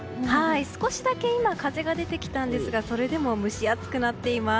少しだけ今風が出てきたんですがそれでも蒸し暑くなっています。